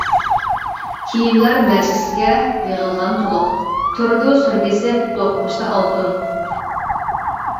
كىيىملەر مەجلىسكە يىغىلغان تولۇق، تۇرىدۇ سۈر بېسىپ دوقمۇشتا ئالتۇن.